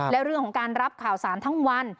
และเรื่องของการรับข่าวสารทั้งวัน